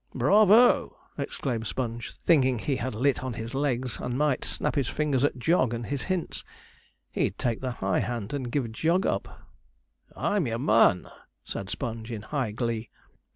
'Bravo!' exclaimed Sponge, thinking he had lit on his legs, and might snap his fingers at Jog and his hints. He'd take the high hand, and give Jog up. 'I'm your man!' said Sponge, in high glee.